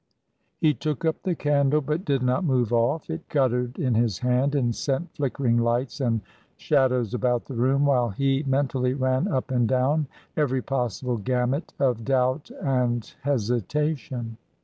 He took up the candle, but did not move off. It guttered in his hand and sent flickering lights and shadows about the room while he mentally ran up and down every possible gamut of doubt and hesitation.